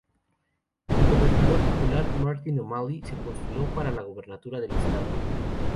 El gobernador titular Martin O'Malley se postuló para la gobernatura del estado.